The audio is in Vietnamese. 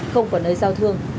không có nơi giao thương